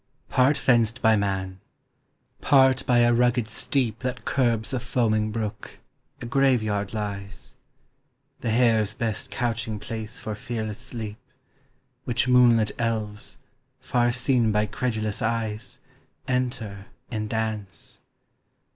] Part fenced by man, part by a rugged steep That curbs a foaming brook, a Grave yard lies; The hare's best couching place for fearless sleep; Which moonlit elves, far seen by credulous eyes, Enter in dance.